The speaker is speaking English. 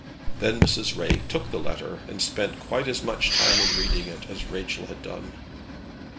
Then Mrs. Ray took the letter and spent quite as much time in reading it as Rachel had done.